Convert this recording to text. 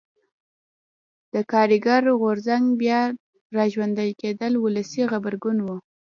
د کارګر غورځنګ بیا را ژوندي کېدل ولسي غبرګون و.